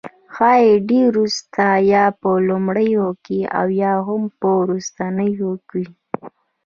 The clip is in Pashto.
ښايي ډیر وروسته، یا په لومړیو کې او یا هم په وروستیو کې